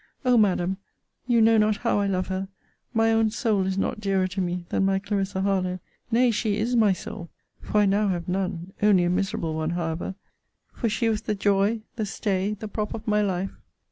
O Madam! you know not how I love her! My own soul is not dearer to me, than my Clarissa Harlowe! Nay! she is my soul for I now have none only a miserable one, however for she was the joy, the stay, the prop of my life.